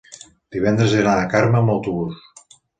divendres he d'anar a Carme amb autobús.